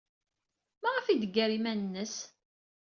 Maɣef ay d-teggar iman-nnes?